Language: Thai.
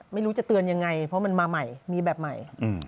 ไม่รู้จะเตือนยังไงเพราะมันมาใหม่มีแบบใหม่